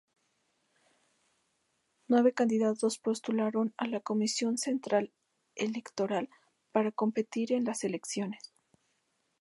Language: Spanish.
Nueve candidatos postularon a la Comisión Central Electoral para competir en las elecciones.